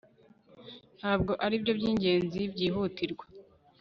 ntabwo aribyo byingenzi byihutirwa